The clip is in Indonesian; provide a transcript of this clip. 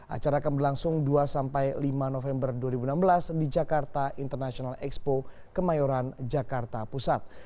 acara akan berlangsung dua sampai lima november dua ribu enam belas di jakarta international expo kemayoran jakarta pusat